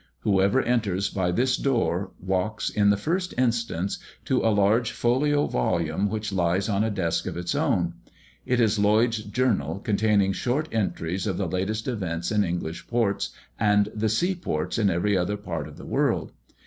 Whoever enters by this door walks, in the first instance, to a large folio volume which lies on a desk of its own. It is Lloyd's Journal, containing short entries of the latest events in English ports and the sea ports in every other part of the world.